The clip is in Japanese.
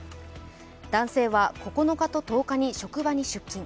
男性は９日と１０日に職場に出勤。